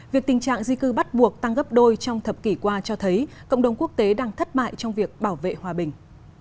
việc tình trạng di cư bắt buộc tăng gấp đôi trong thập kỷ qua cho thấy cộng đồng quốc tế đang thất bại trong việc bảo vệ hòa bình